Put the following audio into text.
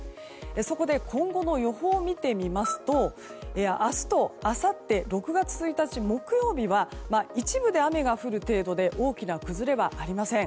そこで今後の予報を見てみますと明日とあさって６月１日、木曜日は一部で雨が降る程度で大きな崩れはありません。